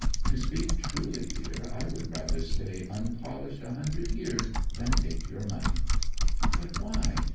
To speak truly, dear, I would rather stay unpolished a hundred years than take your money.' 'But why?